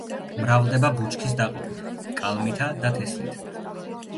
მრავლდება ბუჩქის დაყოფით, კალმითა და თესლით.